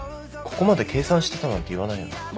ここまで計算してたなんて言わないよな？